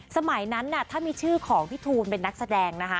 สมัยนั้นถ้ามีชื่อของทูนเป็นนักแสดง